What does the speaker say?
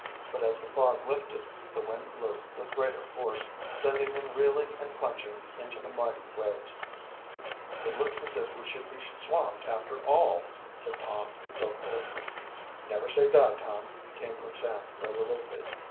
But as the fog lifted, the wind blew with greater force, sending them reeling and plunging into the mighty waves. "It looks as if we should be swamped after all," said Tom dolefully. "Never say die, Tom," came from Sam resolutely.